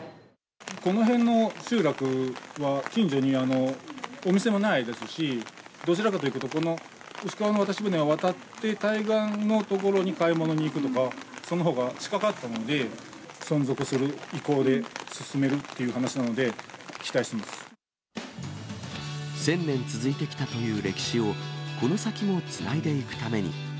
この辺の集落は、近所にお店もないですし、どちらかというと、この牛川の渡し船を渡って、対岸の所に買い物に行くのが、そのほうが近かったので、存続する意向で進めるっていう話なので、１０００年続いてきたという歴史をこの先もつないでいくために。